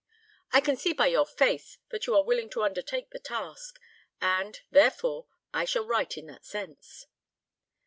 I can see by your face that you are willing to undertake the task, and, therefore, I shall write in that sense."